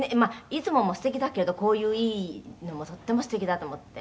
「いつももすてきだけれどこういういいのもとってもすてきだと思って」